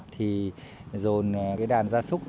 thì dồn đàn gia súc